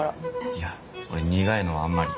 いや俺苦いのはあんまり。